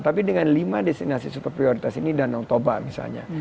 tapi dengan lima destinasi super prioritas ini danau toba misalnya